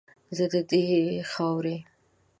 زه ددې خاورې